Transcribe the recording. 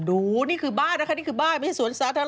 โอ้โฮนี่คือบ้านนะคะมีสวนสาธารณะ